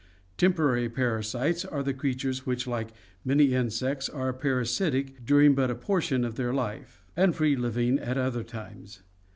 Temporary parasites are the creatures which, like many insects, are parasitic during but a portion of their life and free living at other times.